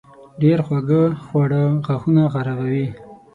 ډېر خواږه خواړه غاښونه خرابوي.